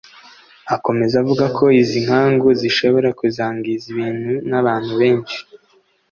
Akomeza avuga ko izi nkangu zishobora kuzangiza ibintu n’abantu benshi